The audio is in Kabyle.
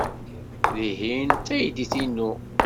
Tihin d taydit-inu.